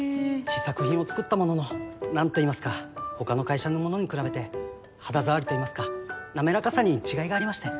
試作品を作ったものの何と言いますか他の会社のものに比べて肌触りと言いますかなめらかさに違いがありまして。